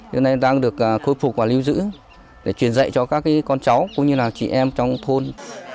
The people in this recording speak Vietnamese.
giờ này đang được khôi phục và lưu giữ để truyền dạy cho các con cháu cũng như chị em trong thôn